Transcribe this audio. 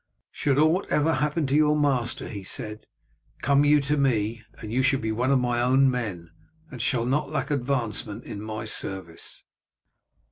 "Should aught ever happen to your master," he said, "come you to me and you shall be one of my own men, and shall not lack advancement in my service."